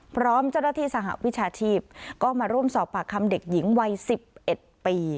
พร้อมเจ้าหน้าที่สหวิชาชีพก็มาร่วมสอบปากคำเด็กหญิงวัย๑๑ปี